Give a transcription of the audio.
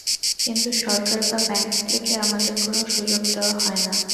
কিন্তু সরকার বা ব্যাংক থেকে আমাদের কোনো সুযোগ দেওয়া হয় না।